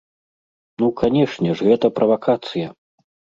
Ну, канешне ж, гэта правакацыя!